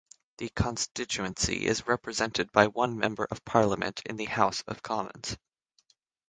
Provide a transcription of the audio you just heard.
The constituency is represented by one Member of Parliament in the House of Commons.